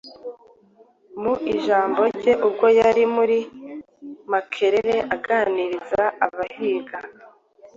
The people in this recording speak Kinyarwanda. Mu ijambo rye ubwo yari muri Makerere aganiriza abahiga,